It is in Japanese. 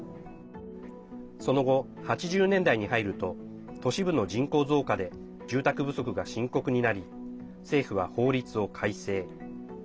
その後、８０年代に入ると都市部の人口増加で住宅不足が深刻になり政府は法律を改正。